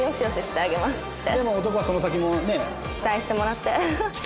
期待してもらって。